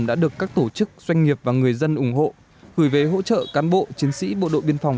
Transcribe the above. đã được các tổ chức doanh nghiệp và người dân ủng hộ gửi về hỗ trợ cán bộ chiến sĩ bộ đội biên phòng